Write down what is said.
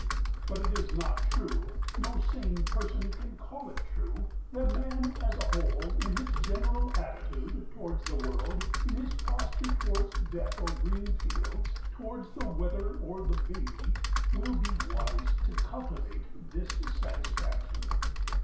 But it is not true, no sane person can call it true, that man as a whole in his general attitude towards the world, in his posture towards death or green fields, towards the weather or the baby, will be wise to cultivate dissatisfaction.